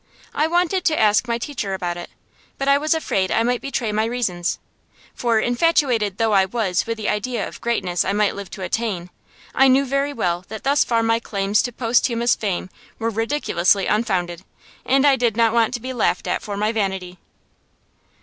I wanted to ask my teacher about it, but I was afraid I might betray my reasons. For, infatuated though I was with the idea of the greatness I might live to attain, I knew very well that thus far my claims to posthumous fame were ridiculously unfounded, and I did not want to be laughed at for my vanity.